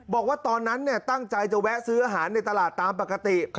บอกว่าตอนนั้นตั้งใจจะแวะซื้ออาหารในตลาดตามปกติ